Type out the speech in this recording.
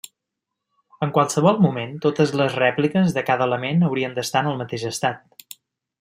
En qualsevol moment, totes les rèpliques de cada element haurien d'estar en el mateix estat.